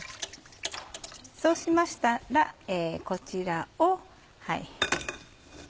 そうしましたらこちらを。